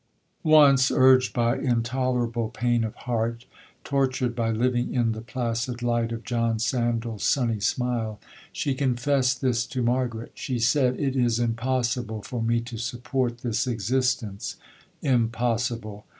'Once, urged by intolerable pain of heart, (tortured by living in the placid light of John Sandal's sunny smile), she confessed this to Margaret. She said, 'It is impossible for me to support this existence—impossible!